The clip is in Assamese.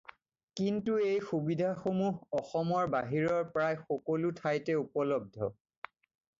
কিন্তু এই সুবিধাসমূহ অসমৰ বাহিৰৰ প্ৰায় সকলো ঠাইতে উপলব্ধ।